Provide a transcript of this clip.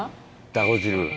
だご汁。